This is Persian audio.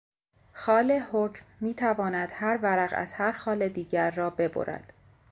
خال حکم میتواند هر ورق از هر خال دیگر را ببرد.